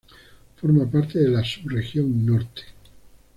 Forma parte de la subregión Norte.